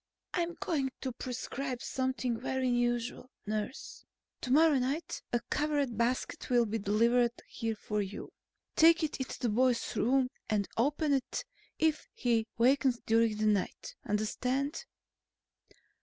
"I'm going to prescribe something very unusual, nurse. Tomorrow night a covered basket will be delivered here for you. Take it into the boy's room and open it if he wakens during the night. Understand?"